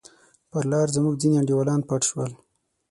پر لار زموږ ځیني انډیوالان پټ شول.